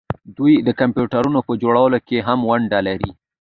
دوی د کمپیوټرونو په جوړولو کې هم ونډه لري.